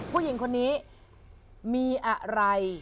ผู้หญิงคนนี้มีอะไร